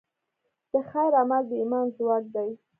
د خیر عمل د ایمان ځواک دی.